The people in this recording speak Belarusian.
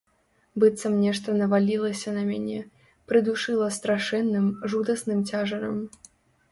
Быццам нешта навалілася на мяне, прыдушыла страшэнным, жудасным цяжарам.